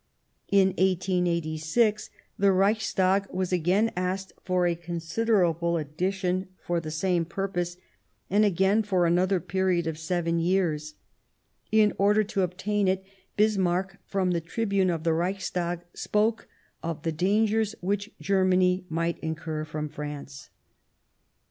In 1886 the Reichstag was again asked for a con siderable addition for the same purpose, and again for another period of seven years. In order to 192 The German Empire obtain it, Bismarck, from the tribune of the Reichs tag, spoke of the dangers which Germany might incur from France.